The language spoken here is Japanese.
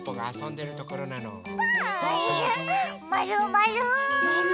まるまる。